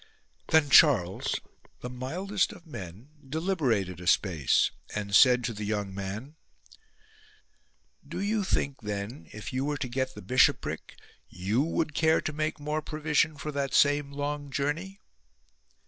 Then Charles, the mildest of men, deliberated a space, and said to the young man, " Do you think then, if you were to get the bishopric, you would care to make more provision for that same long journey